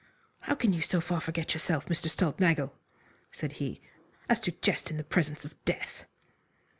"How can you so far forget yourself, Mr. Stulpnagel," said he, "as to jest in the presence of death?"